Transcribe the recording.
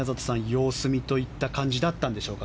様子見といった感じだったんでしょうか